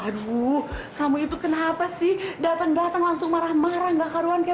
aduh kamu itu kenapa sih datang datang langsung marah marah enggak karuan kayak